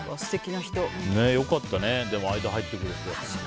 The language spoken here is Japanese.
よかったね、間に入ってくれて。